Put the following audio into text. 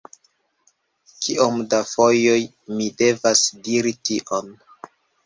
Kiom da fojoj mi devas diri tion!